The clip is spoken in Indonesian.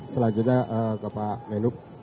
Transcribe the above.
selanjutnya ke pak menhub